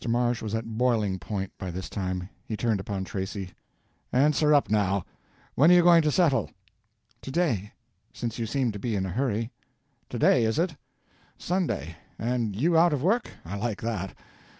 Marsh was at boiling point by this time. He turned upon Tracy: "Answer up now—when are you going to settle?" "To day—since you seem to be in a hurry." "To day is it? Sunday—and you out of work? I like that.